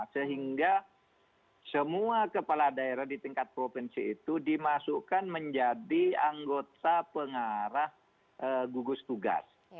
sehingga semua kepala daerah di tingkat provinsi itu dimasukkan menjadi anggota pengarah gugus tugas